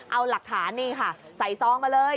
เอาหลักฐานนี่ค่ะใส่ซองมาเลย